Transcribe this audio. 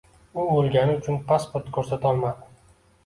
U oʻlgani uchun pasport koʻrsatolmadi.